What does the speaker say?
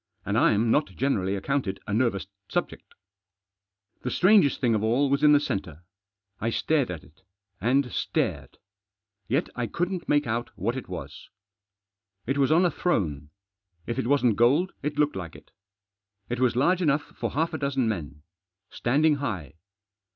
And I'm not generally accounted a nervous subject. The strangest thing of all was in the centre. I stared at it, and stared ; yet I couldn't make out what it was. It was on a throne ; if it wasn't gold it looked like it. It was large enough for half a dozen men. Standing high.